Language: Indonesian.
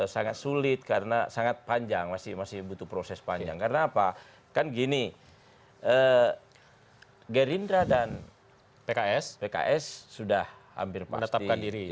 sangat sulit karena sangat panjang masih butuh proses panjang karena apa kan gini gerindra dan pks pks sudah hampir pasti